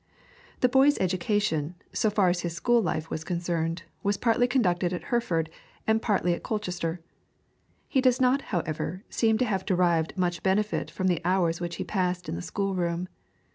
The boy's education, so far as his school life was concerned was partly conducted at Hereford and partly at Colchester. He does not, however, seem to have derived much benefit from the hours which he passed in the schoolroom.